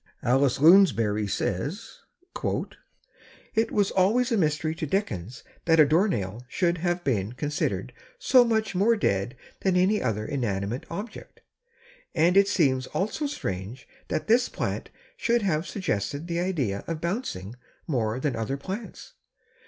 Alice Lounsberry says: "It was always a mystery to Dickens that a doornail should have been considered so much more dead than any other inanimate object, and it seems also strange that this plant should have suggested the idea of bouncing more than other plants.